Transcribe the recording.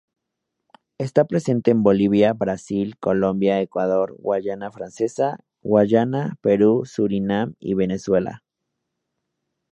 Está presente en Bolivia, Brasil Colombia, Ecuador, Guayana francesa, Guyana, Perú, Surinam y Venezuela.